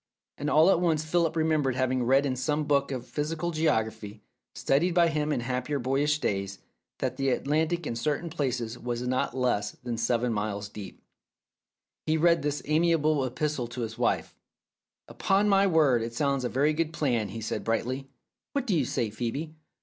And all at once Philip remembered having read in some book of 305 Philip's Safety Razor physical geography, studied by him in happier boyish days, that the Atlantic in certain places was not less than seven miles deep. ... He read this amiable epistle to his wife. "Upon my word, it sounds a very good plan," he said brightly. "What do you say, Phoebe?